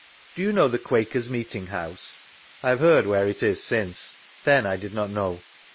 Do you know the Quakers' meeting house? — I have heard where it is since; then I did not know.